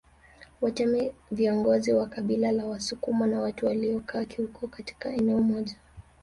Watemi viongozi wa kabila la Wasukuma na watu walikaa kiukoo katika eneo moja